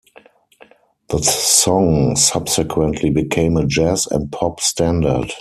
The song subsequently became a jazz and pop standard.